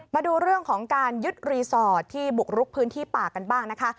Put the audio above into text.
มาดูเรื่องของการยึดรีสอร์ทที่บุกรุกพื้นที่ป่ากันบ้างนะคะ